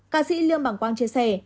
cá sĩ lương bảng quang chia sẻ